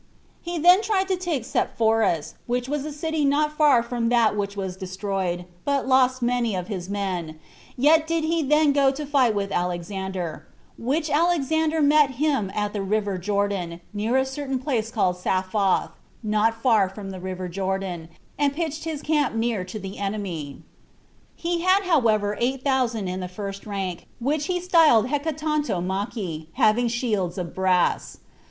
5. He then tried to take Sepphoris, which was a city not far from that which was destroyed, but lost many of his men; yet did he then go to fight with Alexander; which Alexander met him at the river Jordan, near a certain place called Saphoth, [not far from the river Jordan,] and pitched his camp near to the enemy. He had however eight thousand in the first rank, which he styled Hecatontomachi, having shields of brass.